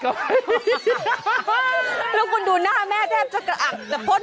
อริ้วเหรอ